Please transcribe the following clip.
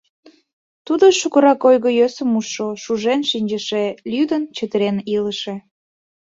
Тудо шукырак ойго-йӧсым ужшо, шужен шинчыже, лӱдын-чытырен илыже.